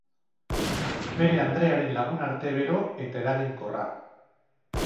Bere andrearen lagunarte bero eta eraginkorra.